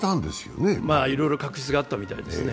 いろいろ確執があったみたいですね。